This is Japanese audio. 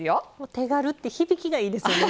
手軽って響きがいいですよね。